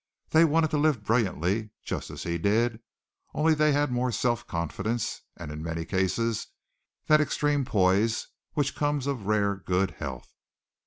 They wanted to live brilliantly, just as he did, only they had more self confidence and in many cases that extreme poise which comes of rare good health.